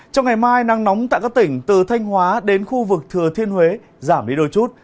trong ngày mai nắng nóng tại các tỉnh từ thanh hóa đến khu vực thừa thiên huế giảm đi đôi chút